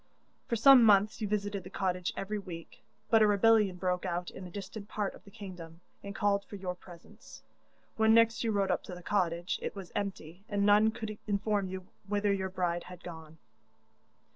'For some months you visited the cottage every week; but a rebellion broke out in a distant part of the kingdom, and called for your presence. When next you rode up to the cottage, it was empty, and none could inform you whither your bride had gone.